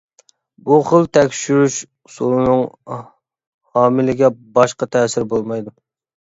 بۇ خىل تەكشۈرۈش ئۇسۇلىنىڭ ھامىلىگە باشقا تەسىرى بولمايدۇ.